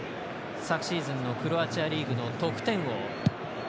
昨シーズンのクロアチアリーグの得点王。